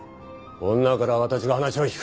女からは私が話を聞く。